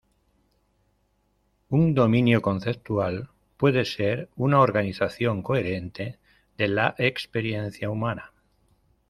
Un dominio conceptual puede ser una organización coherente de la experiencia humana.